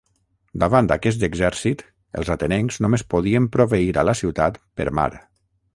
Davant aquest exèrcit, els atenencs només podien proveir a la ciutat per mar.